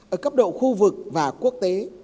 ở cấp độ khu vực và quốc tế